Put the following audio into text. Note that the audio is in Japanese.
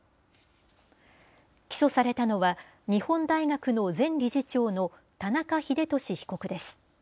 起訴されたのは、日本大学の前理事長の田中英壽被告です。